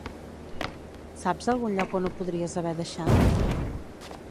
Saps algun lloc on ho podries haver deixat?